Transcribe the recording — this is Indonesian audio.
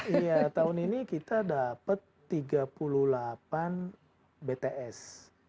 nah tahun ini kita dapat tiga puluh delapan btn